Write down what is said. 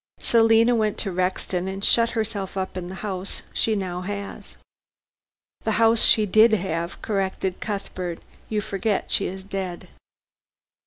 Selina went to Rexton and shut herself up in the house she now has." "The house she did have," corrected Cuthbert, "you forget she is dead."